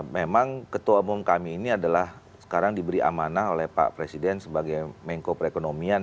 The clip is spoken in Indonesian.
memang ketua umum kami ini adalah sekarang diberi amanah oleh pak presiden sebagai mengko perekonomian